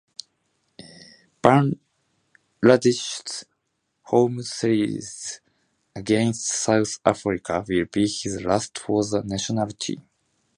Bangladesh's home series against South Africa will be his last for the national team.